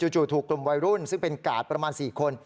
จู่ถูกกลุ่มวัยรุ่นซึ่งเป็นกาดประมาณ๔คน